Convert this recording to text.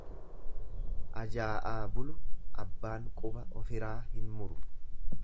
Ajaa'aa bulu abbaan quba ofiraa hin muru.